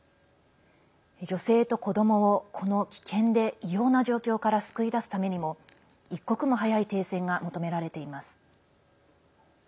女性と子どもをこの危険で異様な状況から救い出すためにも一刻も早い停戦が求められています。